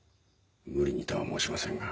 無理にとは申しませんが。